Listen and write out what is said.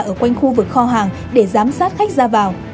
ở quanh khu vực kho hàng để giám sát khách ra vào